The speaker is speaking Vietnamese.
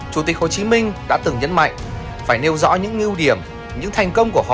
chủ tịch hồ chí minh đã từng nhấn mạnh phải nêu rõ những ưu điểm những thành công của họ